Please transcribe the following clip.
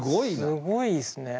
すごいっすね。